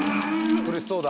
苦しそうだ。